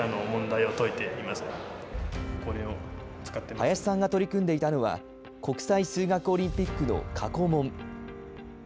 林さんが取り組んでいたのは、国際数学オリンピックの過去問。